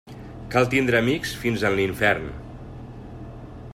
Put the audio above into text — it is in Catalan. Cal tindre amics fins en l'infern.